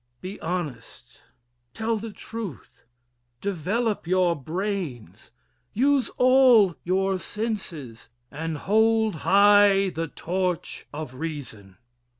Be honest. Tell the truth, develop your brains, use all your senses and hold high the torch of Reason.